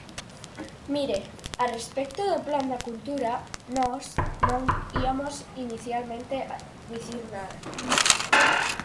Mire, a respecto do plan da cultura, nós non iamos inicialmente dicir nada.